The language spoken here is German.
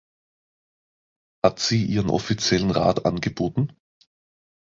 Hat sie ihren offiziellen Rat angeboten?